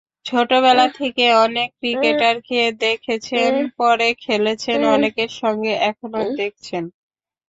ছোটবেলা থেকে অনেক ক্রিকেটারকে দেখেছেন, পরে খেলেছেন অনেকের সঙ্গে, এখনো দেখছেন।